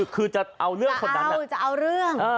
คือจะเอาเรื่องคนนั้นคือจะเอาเรื่อง